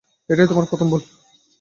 এটাই তোমার প্রথম ভুল।